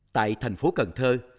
tại thành phố cần thơ